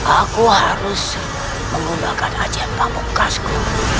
aku harus menggunakan ajem pabuk kasku